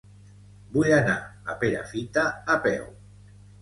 Vull anar a Perafita a peu.